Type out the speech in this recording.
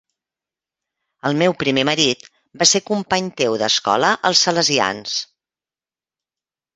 El meu primer marit va ser company teu d'escola als Salesians.